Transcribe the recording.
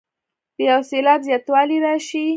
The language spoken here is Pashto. د یو سېلاب زیاتوالی راشي.